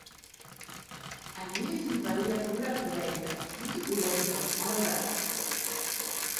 Ә ни өсөн Ғәлиә күберәк белә икән, нисек уйлайһығыҙ, малайҙар?